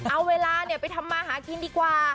เอาเวลาไปทำมาหากินดีกว่า